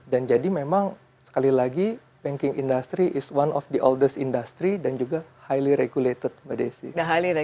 dan jadi memang sekali lagi banking industry is one of the oldest industry dan juga highly regulated mbak desi